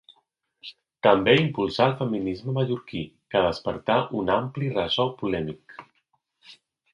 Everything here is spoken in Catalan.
També impulsà el feminisme mallorquí, que despertà un ampli ressò polèmic.